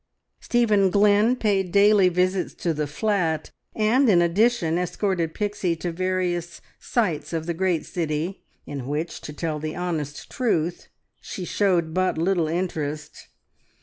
Stephen Glynn paid daily visits to the flat, and, in addition, escorted Pixie to various "sights" of the great city, in which, to tell the honest truth, she showed but little interest.